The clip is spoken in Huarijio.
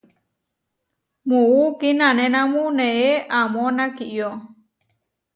Muú kinanénamu neé amó nakiyó.